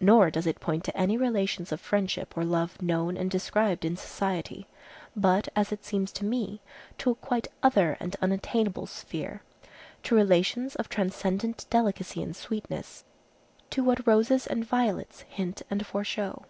Nor does it point to any relations of friendship or love known and described in society, but, as it seems to me, to a quite other and unattainable sphere, to relations of transcendent delicacy and sweetness, to what roses and violets hint and foreshow.